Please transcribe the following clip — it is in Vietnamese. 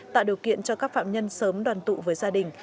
tạo điều kiện cho các phạm nhân sớm đoàn tụ với gia đình